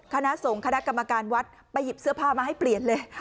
คณะสงฆ์คณะกรรมการวัดไปหยิบเสื้อผ้ามาให้เปลี่ยนเลย